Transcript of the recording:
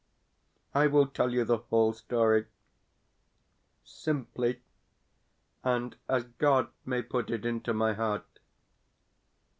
I will tell you the whole story simply, and as God may put it into my heart.